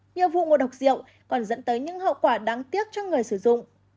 nhiều vụ ngộ độc rượu còn dẫn tới những hậu quả đáng tiếc cho người sử dụng